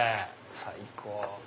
最高。